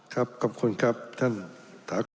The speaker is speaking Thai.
ครับขอบคุณครับท่านถากร